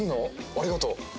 ありがとう！